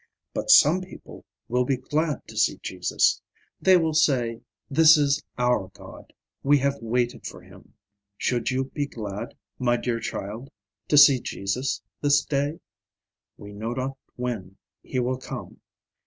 But some people will be glad to see Jesus; they will say, "This is our God; we have waited for him." Should you be glad, my dear child, to see Jesus this day? We know not when he will come.